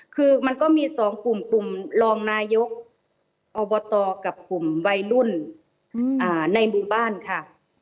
คือมันก็มีสองกลุ่มรองนายกอบอตตอร์กับกลุ่มวัยรุ่นในบุญบ้านค่ะ